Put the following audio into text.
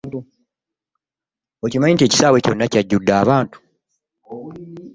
Okimanyi nti ekisaawe kyonna kyajudde abantu.